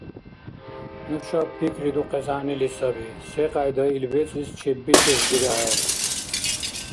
Нушаб пикридухъес гӀягӀнили саби секьяйда ил бецӀлис чеббицӀес дирахӀел.